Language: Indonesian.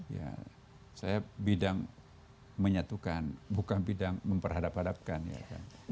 ya saya bidang menyatukan bukan bidang memperhadap hadapkan ya kan